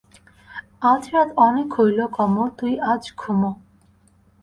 আজ রাত অনেক হইল, কমল, তুই আজ ঘুমো।